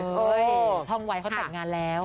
เฮ้ยท่องไวท์เขาตัดงานแล้ว